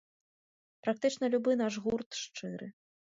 Практычна любы наш гурт шчыры.